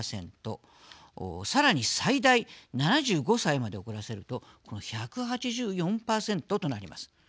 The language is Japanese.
さらに最大７５歳まで遅らせると１８４％となります。